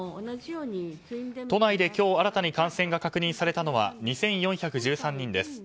都内で、今日新たに感染が確認されたのは２４１３人です。